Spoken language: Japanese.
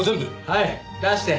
はい出して。